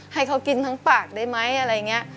ให้เขากินทั้งปากได้ไหมอะไรอย่างนี้